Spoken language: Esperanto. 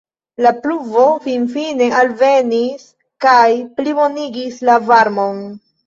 La pluvo finfine alvenis, kaj plibonigis la varmon.